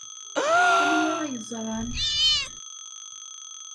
Anwa ay ẓran?